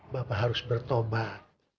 bapak harus bertobat